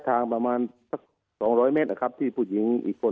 ทางประมาณสัก๒๐๐เมตรนะครับที่ผู้หญิงอีกคน